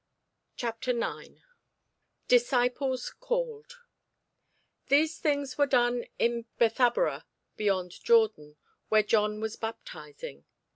CHAPTER 9 DISCIPLES CALLED THESE things were done in Bethabara beyond Jordan, where John was baptizing.